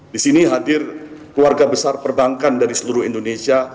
di sini hadir keluarga besar perbankan dari seluruh indonesia